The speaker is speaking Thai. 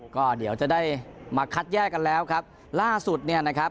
ก็เดี๋ยวจะได้มาคัดแยกกันแล้วครับล่าสุดเนี่ยนะครับ